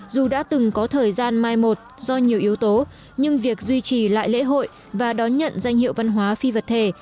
dù đã từng có thời gian mai một do nhiều yếu tố nhưng việc duy trì lại lễ hội và đón nhận danh hiệu văn hóa phi vật thể